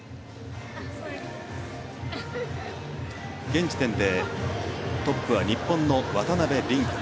現時点でトップは日本の渡辺倫果。